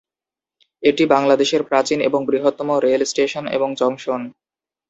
এটি বাংলাদেশের প্রাচীন এবং বৃহত্তম রেল স্টেশন এবং জংশন।